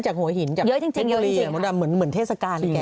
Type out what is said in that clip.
จากหัวหินจากเม็ดบุรีเหมือนเทศกาล